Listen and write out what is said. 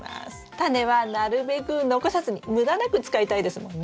タネはなるべく残さずに無駄なく使いたいですもんね。